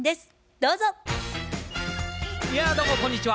どうもこんにちは。